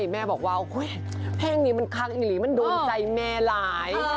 แม่บอกว่าโอ้เฮ้ยเพลงนี้มันภรรย์หรี่หรี่มันดูนใจแม่หลาย